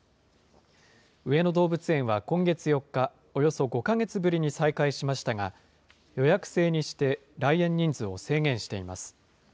上野動物園は今月４日、およそ５か月ぶりに再開しましたが、予約制にして来園人数を制限しています。